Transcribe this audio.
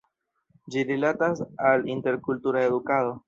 Ĝi rilatas al interkultura edukado.